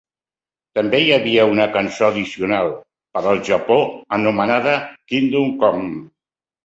També hi havia una cançó addicional per al Japó anomenada "Kingdom Come".